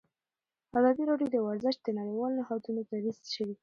ازادي راډیو د ورزش د نړیوالو نهادونو دریځ شریک کړی.